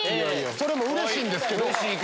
それもうれしいですけど！